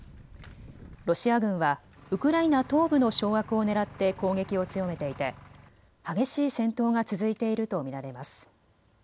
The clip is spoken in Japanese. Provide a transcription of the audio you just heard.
ロシア軍はウクライナ東部の掌握をねらって攻撃を強めていて激しい戦闘が続いていると見られます。